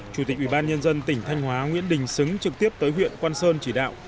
chủ tịch ubnd tỉnh thanh hóa nguyễn đình xứng trực tiếp tới huyện quan sơn chỉ đạo